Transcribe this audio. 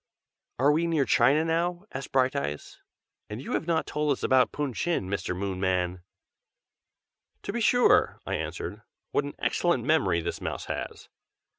"Are we near China now?" asked Brighteyes. "And you have not told us about Pun Chin, Mr. Moonman!" "To be sure!" I answered. "What an excellent memory this mouse has!